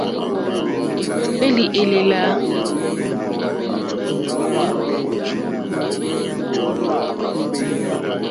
Ó hwélì èlèlà.